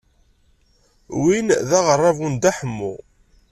Win d aɣerrabu n Dda Ḥemmu.